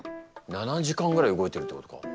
７時間ぐらい動いてるってことか。